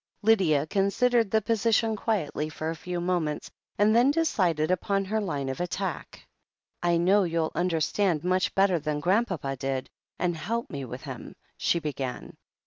Lydia considered the position quietly for a few moments, and then decided upon her line of attack. "I know you'll understand much better than Grand papa did, and help me with him," she began.